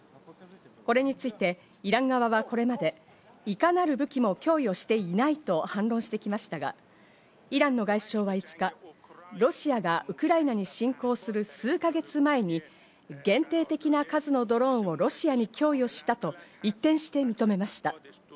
これについてイラン側はこれまでいかなる武器も供与していないと反論してきましたが、イランの外相は５日、ロシアがウクライナに侵攻する数ヶ月前に限定的な数のドローンをロシアに供与したと一転して認めました。